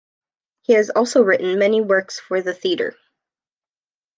He has also written many works for the theatre.